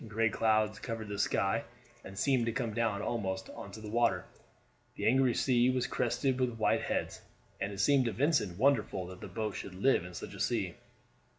Gray clouds covered the sky and seemed to come down almost on to the water, the angry sea was crested with white heads, and it seemed to Vincent wonderful that the boat should live in such a sea.